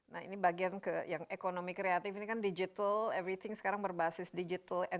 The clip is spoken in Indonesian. nah ini bagian ke yang ekonomi kreatif ini kan digital everything sekarang berbasis digital